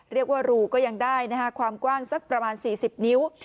เรียกว่ารูก็ยังได้นะฮะความกว้างสักประมาณสี่สิบนิ้ว